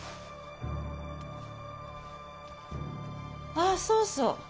ああそうそう。